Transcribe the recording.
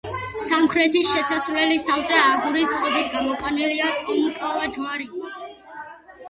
სამხრეთის შესასვლელის თავზე აგურის წყობით გამოყვანილია ტოლმკლავა ჯვარი.